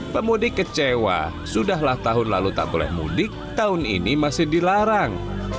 pemudik kecewa sudahlah tahun lalu tak boleh mudik tahun ini masih dilarang